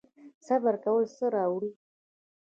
صبر کول څه راوړي؟